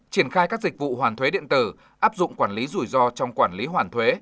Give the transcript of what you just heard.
triển khai các dịch vụ hoàn thuế điện tử áp dụng quản lý rủi ro trong quản lý hoàn thuế